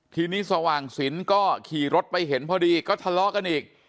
ทีนี้สว่างสินก็ขี่รถไปเห็นพอดีก็ทะเลาะกันอีก